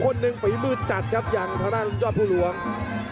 คนหนึ่งฝีมือจัดครับอย่างทางด้านยอดภูหลวง